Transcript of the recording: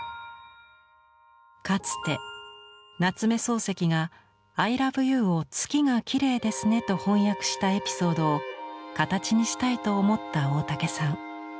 かつて夏目漱石が「アイラブユー」を「月がきれいですね」と翻訳したエピソードを形にしたいと思った大竹さん。